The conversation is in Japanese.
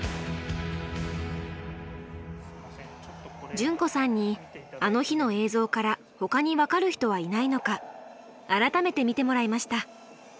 純子さんに「あの日」の映像からほかに分かる人はいないのか改めて見てもらいました。